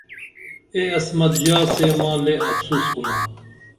اے عصمت ژا سے ماں لے افسوس کُنا